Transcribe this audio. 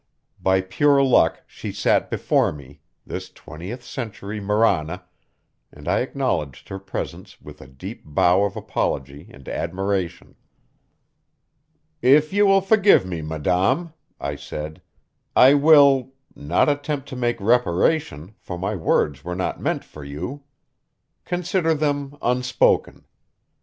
By pure luck she sat before me, this twentieth century Marana, and I acknowledged her presence with a deep bow of apology and admiration. "If you will forgive me, madame," I said, "I will not attempt to make reparation, for my words were not meant for you. Consider them unspoken.